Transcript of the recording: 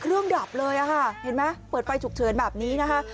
เครื่องดับเลยอ่ะฮะเห็นมั้ยเปิดไฟฉุกเชินแบบนี้นะฮะ